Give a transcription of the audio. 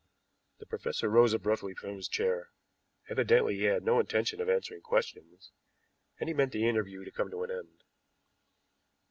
The professor rose abruptly from his chair. Evidently he had no intention of answering questions, and he meant the interview to come to an end.